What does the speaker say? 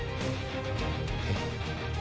えっ？